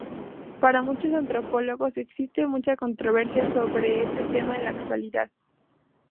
Para muchos antropólogos existe mucha controversia sobre este tema en la actualidad.